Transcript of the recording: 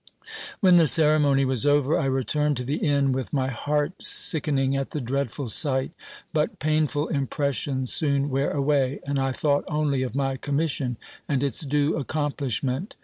When the ceremony was over, I returned to the inn, with my heart sick ening at the dreadful sight ; but painful impressions soon wear away, and I thought only of my commission and its due accomplishment.